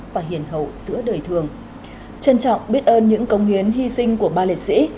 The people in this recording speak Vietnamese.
chân trọng biết ơn những công hiến hy sinh của ba lịch sĩ